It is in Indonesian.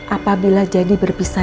apabila jadi berpisah